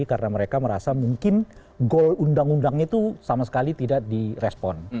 karena mereka merasa mungkin goal undang undang itu sama sekali tidak di respon